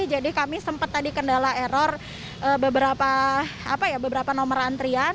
jadi kami sempat tadi kendala error beberapa nomor antrian